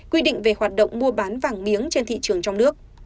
quy định về hoạt động mua bán vàng miếng trên thị trường trong nước